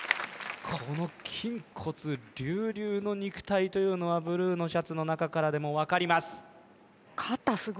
この筋骨隆々の肉体というのはブルーのシャツの中からでも分かります